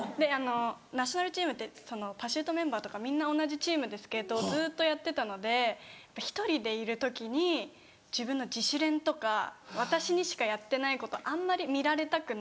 ナショナルチームってパシュートメンバーとかみんな同じチームでスケートをずっとやってたので１人でいる時に自分の自主練とか私にしかやってないことあんまり見られたくない。